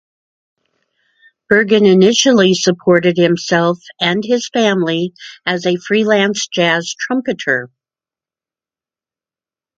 Burgon initially supported himself and his family as a freelance jazz trumpeter.